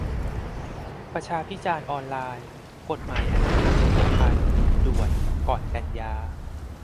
ประชาพิจารณ์ออนไลน์ - กฎหมายอนามัยเจริญพันธุ์ ด่วน ก่อนกันยา